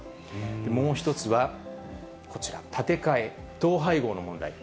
もう１つは、こちら、建て替え・統廃合の問題。